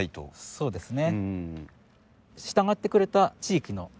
そうですね。